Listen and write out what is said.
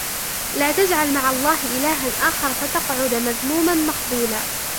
لَا تَجْعَلْ مَعَ اللَّهِ إِلَهًا آخَرَ فَتَقْعُدَ مَذْمُومًا مَخْذُولًا